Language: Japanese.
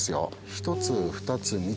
１つ２つ３つ。